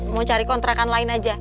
mau cari kontrakan lain aja